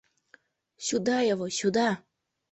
Сюда его, сюда!